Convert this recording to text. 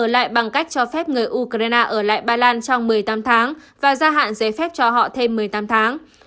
lại bằng cách cho phép người ukraine ở lại ba lan trong một mươi tám tháng và gia hạn giấy phép cho họ thêm một mươi tám tháng